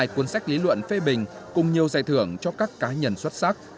hai cuốn sách lý luận phê bình cùng nhiều giải thưởng cho các cá nhân xuất sắc